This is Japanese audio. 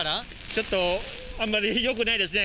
ちょっと、あんまりよくないですね。